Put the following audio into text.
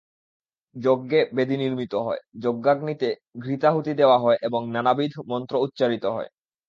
যজ্ঞে বেদী নির্মিত হয়, যজ্ঞাগ্নিতে ঘৃতাহুতি দেওয়া হয় এবং নানাবিধ মন্ত্র উচ্চারিত হয়।